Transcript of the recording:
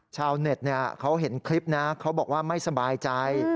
ชาวเน็ตเขาเห็นคลิปนะเขาบอกว่าไม่สบายใจ